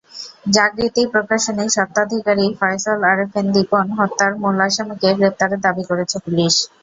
জাগৃতি প্রকাশনীর স্বত্বাধিকারী ফয়সল আরেফিন দীপন হত্যার মূল আসামিকে গ্রেপ্তারের দাবি করেছে পুলিশ।